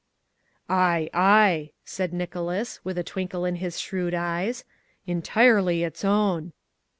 "Ay, ay," said Nicholas, with a twinkle in his shrewd eyes, "entirely its own."